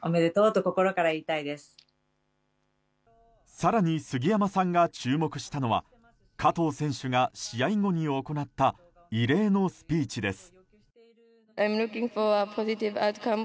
更に、杉山さんが注目したのは加藤選手が試合後に行った異例のスピーチです。